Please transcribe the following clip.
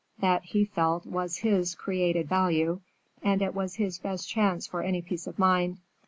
That, he felt, was his "created value," and it was his best chance for any peace of mind.